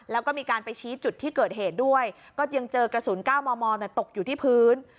แล้วก็มีการไปชี้จุดที่เกิดเหตุด้วยก็ยังเจอกระสุน๙มมตกอยู่ที่พื้น